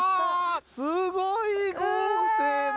すごい豪勢だ！